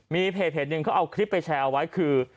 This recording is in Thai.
มีเพจหนึ่งเขาเอาคลิปไปแชร์เอาไว้คือ